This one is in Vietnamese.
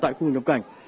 tại khu vực nhập cảnh